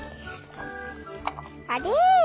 あれ？